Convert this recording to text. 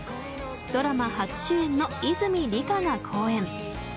ドラマ初主演の泉里香が好演。